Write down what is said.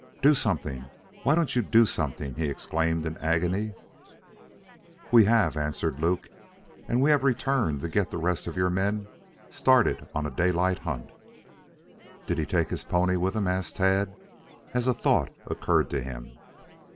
"Do something! Why don't you do something?" he exclaimed in agony. "We have," answered Luke. "And we have returned to get the rest of your men started on a daylight hunt." "Did he take his pony with him?" asked Tad, as a thought occurred to him.